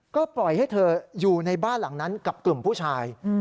ก็ปล่อยให้เธออยู่ในบ้านหลังนั้นกับกลุ่มผู้ชาย